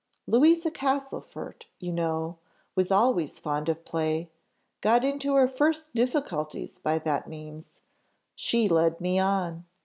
Louisa Castlefort, you know, was always fond of play got into her first difficulties by that means she led me on.